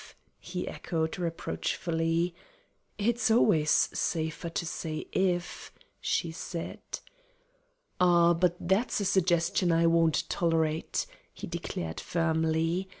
_" he echoed, reproachfully. "It's always safer to say 'if'" she said. "Ah, but that's a suggestion I won't tolerate," he declared, firmly.